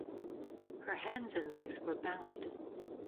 Her hands and legs were bound.